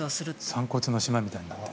散骨の島みたいになってる。